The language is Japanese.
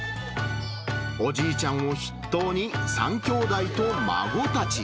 おじいちゃんを筆頭に、３きょうだいと孫たち。